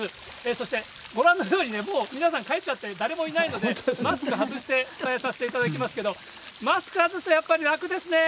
そして、ご覧のようにね、皆さん、帰っちゃって誰もいないので、マスク伝えさせていただきますけど、マスク外すとやっぱり楽ですね。